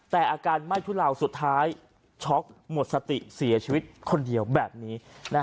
แต่อาการไม่ทุเลาสุดท้ายช็อกหมดสติเสียชีวิตคนเดียวแบบนี้